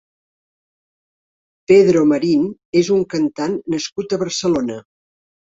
Pedro Marín és un cantant nascut a Barcelona.